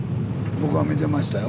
僕は見てましたよ。